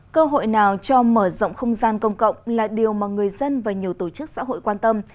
cơ hội nào cho mở rộng không gian công cộng là điều mà người dân và nhiều tổ chức xã hội quan tâm